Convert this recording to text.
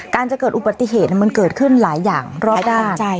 การจะเกิดอุปติเหตุมันเกิดขึ้นหลายอย่างหลายด้านหลายด้านใจ